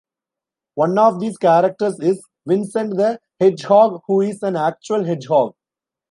One of these characters is Vincent the Hedgehog, who is an actual hedgehog.